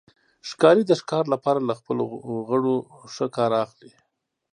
ښکاري د ښکار لپاره له خپلو غړو ښه کار اخلي.